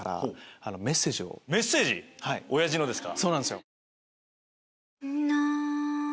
メッセージ⁉おやじのですか？